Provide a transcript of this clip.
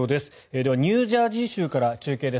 では、ニュージャージー州から中継です。